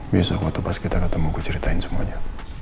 besok waktu pas kita ketemu gue ceritain semuanya